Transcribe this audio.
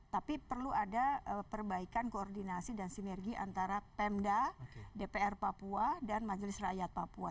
tapi perlu ada perbaikan koordinasi dan sinergi antara pemda dpr papua dan majelis rakyat papua